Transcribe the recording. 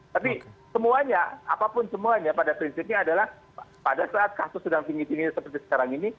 tapi semuanya apapun semuanya pada prinsipnya adalah pada saat kasus sedang tinggi tinggi seperti sekarang ini